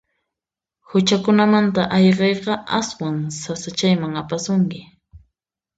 Huchakunamanta ayqiyqa aswan sasachayman apasunki.